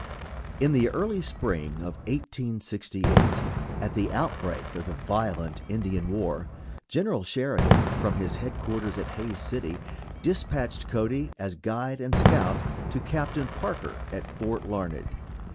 In the spring of 1868, at the outbreak of the violent Indian war, General Sheridan, from his headquarters at Hays City, dispatched Cody as guide and scout to Captain Parker at Fort Larned.